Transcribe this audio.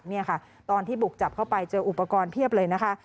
นี่ค่ะตอนที่บุกจับเข้าไปเจออุปกรณ์เพียบเลยนะคะ